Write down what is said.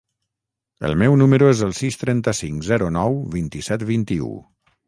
El meu número es el sis, trenta-cinc, zero, nou, vint-i-set, vint-i-u.